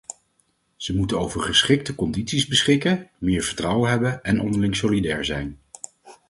Ze moeten over geschikte condities beschikken, meer vertrouwen hebben en onderling solidair zijn.